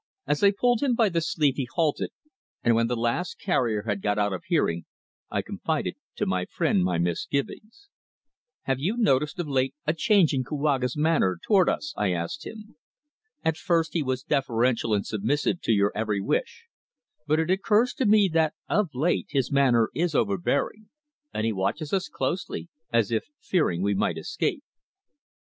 As I pulled him by the sleeve he halted, and when the last carrier had got out of hearing I confided to my friend my misgivings. "Have you not noticed of late a change in Kouaga's manner towards us?" I asked him. "At first he was deferential and submissive to your every wish, but it occurs to me that of late his manner is overbearing, and he watches us closely, as if fearing we might escape."